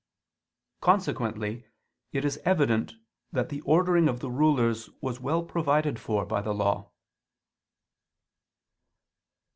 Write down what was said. Consequently it is evident that the ordering of the rulers was well provided for by the Law.